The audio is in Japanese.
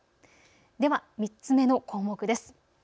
では３つ目の項目です。